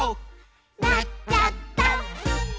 「なっちゃった！」